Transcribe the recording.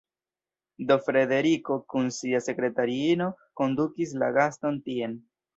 Do Frederiko kun sia sekretariino kondukis la gaston tien.